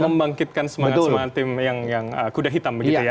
membangkitkan semangat semangat tim yang kuda hitam